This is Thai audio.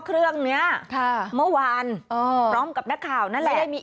เครื่องเนี้ยค่ะเมื่อวานพร้อมกับนักข่าวนั่นแหละได้มี